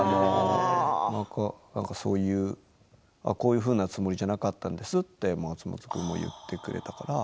なんか、そういうこういうふうなつもりじゃなかったんですって松本君も言ってくれたから。